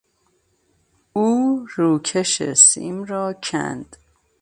او روکش سیم را کند.